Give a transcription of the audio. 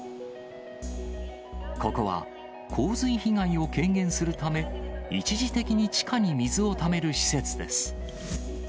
ここは洪水被害を軽減するため、一時的に地下に水をためる施設です。